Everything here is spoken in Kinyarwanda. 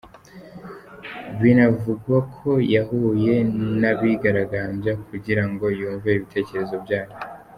Binavugwa ko yahuye n’abigaragambya kugira ngo yumve ibitekerezo byabo.